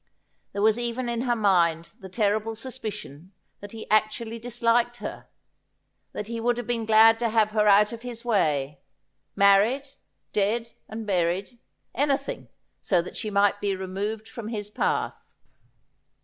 There was ' Thou Lovest Me, that wot I wel certain. 57 even in her mind the terrible suspicion that he actually disliked her ; that he would have been glad to have her out of his way — married, dead and buried — anything so that she might be re moved from his path.